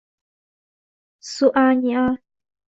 苏阿尼阿。